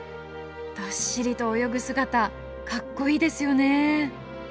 どっしりと泳ぐ姿格好いいですよね。